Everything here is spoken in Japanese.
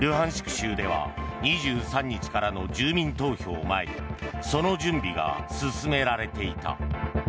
州では２３日からの住民投票を前にその準備が進められていた。